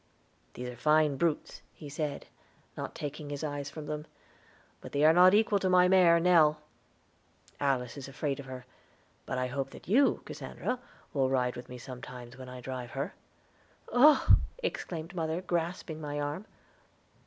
"These are fine brutes," he said, not taking his eyes from them; "but they are not equal to my mare, Nell. Alice is afraid of her; but I hope that you, Cassandra, will ride with me sometimes when I drive her." "Oh!" exclaimed mother, grasping my arm.